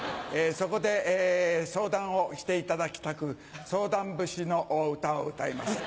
そこで相談をしていただきたくソウダン節の歌を歌います。